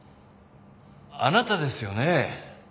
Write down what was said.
あなたですよね？